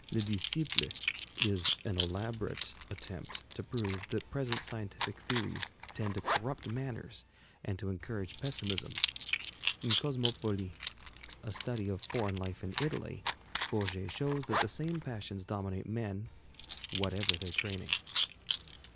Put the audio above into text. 'Le Disciple' is an elaborate attempt to prove that present scientific theories tend to corrupt manners and to encourage pessimism. In 'Cosmopolis,' a study of foreign life in Italy, Bourget shows that the same passions dominate men, whatever their training.